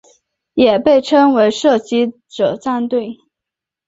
也被称为射击者部队。